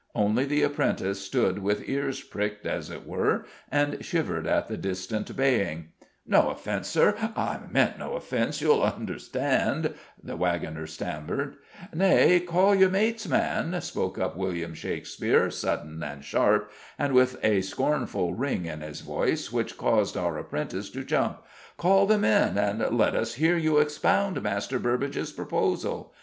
Only the apprentice stood with ears pricked, as it were, and shivered at the distant baying. "No offence, Sir; I meant no offence, you'll understand," the wagoner stammered. "Nay, call your mates, man!" spoke up William Shakespeare, sudden and sharp, and with a scornful ring in his voice which caused our apprentice to jump. "Call them in and let us hear you expound Master Burbage's proposal.